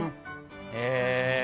へえ。